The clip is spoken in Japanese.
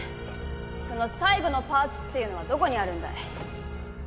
その最後のパーツっていうのはどこにあるんだい？